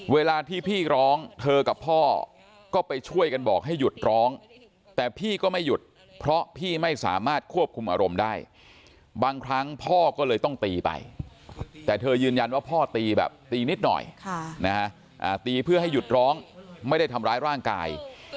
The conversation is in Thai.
เวลาที่พี่ร้องเธอกับพ่อก็ไปช่วยกันบอกให้หยุดร้องแต่พี่ก็ไม่หยุดเพราะพี่ไม่สามารถควบคุมอารมณ์ได้บางครั้งพ่อก็เลยต้องตีไปแต่เธอยืนยันว่าพ่อตีแบบตีนิดหน่อยตีเพื่อให้หยุดร้องไม่ได้ทำร้ายร่างกาย